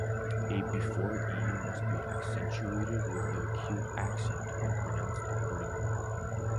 A before e must be accentuated with the acute accent, and pronounced accordingly.